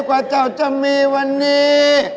กว่าเจ้าจะมีวันนี้